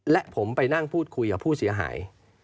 และผมไปนั่งพูดคุยกับผู้เสียหาย